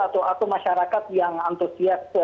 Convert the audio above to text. atau masyarakat yang antusias